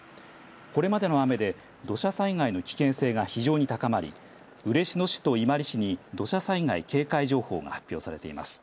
これまでの雨で土砂災害の危険性が非常に高まり嬉野市と伊万里市に土砂災害警戒情報が発表されています。